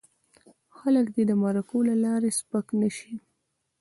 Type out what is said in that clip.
خلک دې د مرکو له لارې سپک نه شي.